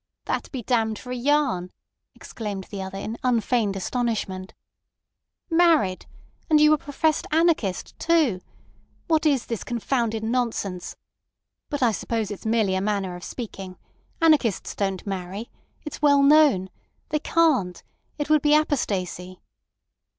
"That be damned for a yarn," exclaimed the other in unfeigned astonishment. "Married! And you a professed anarchist, too! What is this confounded nonsense? But I suppose it's merely a manner of speaking. Anarchists don't marry. It's well known. They can't. It would be apostasy."